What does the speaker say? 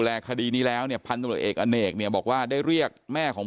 คดีนี้แล้วเนี่ยพันธุรกิจเอกอเนกเนี่ยบอกว่าได้เรียกแม่ของ